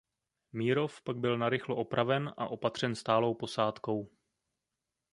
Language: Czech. Mírov pak byl narychlo opraven a opatřen stálou posádkou.